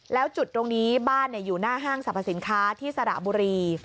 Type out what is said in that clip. แล้วจุดตรงนี้บ้านอยู่หน้าห้างสรรพสินค้าที่สระบุรี